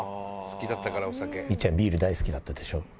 みっちゃんビール大好きだったでしょ。